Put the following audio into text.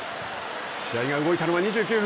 試合が動いたのは２９分。